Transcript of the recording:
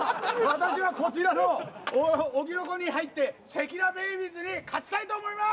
私はこちらの荻の子に入ってシェキナベイビーズに勝ちたいと思います。